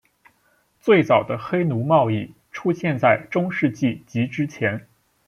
最早的黑奴贸易出现在中世纪及之前。